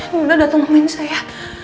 ibu datang nemuin saya